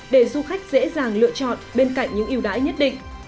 để du khách dễ dàng lựa chọn bên cạnh những yêu đãi nhất định